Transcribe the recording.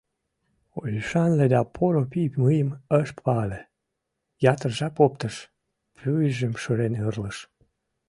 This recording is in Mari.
Ӱшанле да поро пий мыйым ыш пале, ятыр жап оптыш, пӱйжым шырен ырлыш.